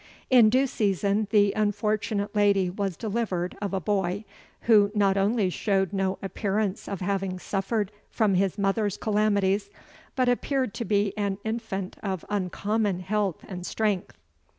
"In due season the unfortunate lady was delivered of a boy, who not only showed no appearance of having suffered from his mother's calamities, but appeared to be an infant of uncommon health and strength.